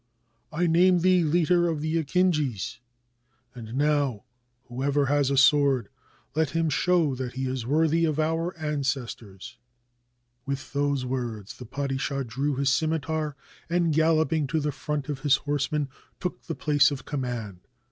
"I name thee leader of the akinjis; and now, who ever has a sword, let him show that he is worthy of our ancestors!" With these words the padishah drew his scimitar, and, galloping to the front of his horsemen, took the place of command.